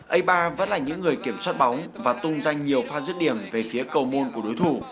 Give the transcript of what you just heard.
a ba vẫn là những người kiểm soát bóng và tung ra nhiều pha giết điểm về phía cầu môn của đối thủ